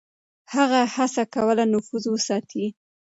هغه هڅه کوله نفوذ وساتي.